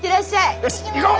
よし行こう！